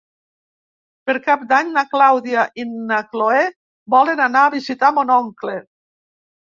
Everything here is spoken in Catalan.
Per Cap d'Any na Clàudia i na Cloè volen anar a visitar mon oncle.